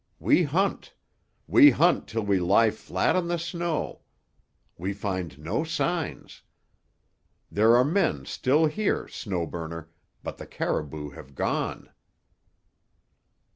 We hunt. We hunt till we lie flat on the snow. We find no signs. There are men still here, Snow Burner, but the caribou have gone."